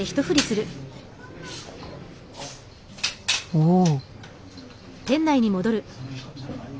おお！